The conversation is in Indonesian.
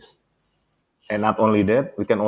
dan bukan hanya itu kita juga